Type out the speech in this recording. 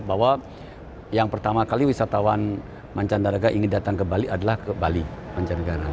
bahwa yang pertama kali wisatawan mancanegaraga ingin datang ke bali adalah ke bali mancanegara